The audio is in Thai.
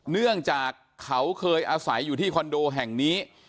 เนื่องจากเขาเคยอาศัยอยู่ที่คอนโดแห่งนี้